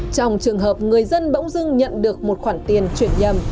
trong trường hợp người dân bỗng dưng nhận được một khoản tiền chuyển nhầm